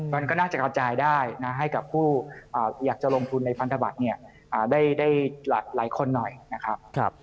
มันก็น่าจะกระจายได้นะให้กับผู้อยากจะลงทุนในพันธบัตรเนี่ยได้หลายคนหน่อยนะครับ